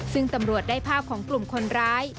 ซึ่งตำรวจได้ภาพของกลุ่มคนร้าย